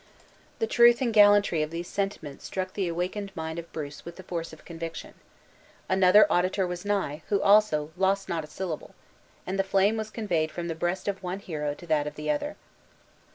The truth and gallantry of these sentiments struck the awakened mind of Bruce with the force of conviction. Another auditor was nigh, who also lost not a syllable; "and the flame was conveyed from the breast of one hero to that of the other."